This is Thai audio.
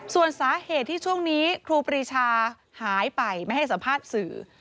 ส่วนสาเหตุที่ช่วงนี้ครูปรีชาหายไปไม่ให้สัมภาษณ์สื่อ